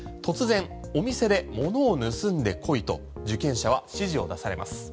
突然、お店で物を盗んでこいと受験者は指示を出されます。